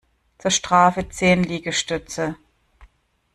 Zur Strafe zehn Liegestütze!